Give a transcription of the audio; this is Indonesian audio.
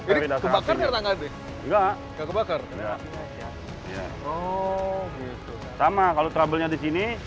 jadi kebakar dari tangan ini enggak enggak kebakar oh gitu sama kalau trouble nya di sini